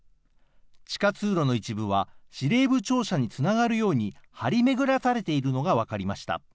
地下通路の一部は、司令部庁舎につながるように張り巡らされているのが分かりました。